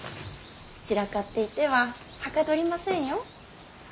散らかっていてははかどりませんよ。